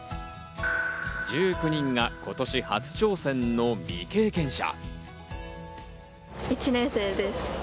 １９人が今年初挑戦の未経験者。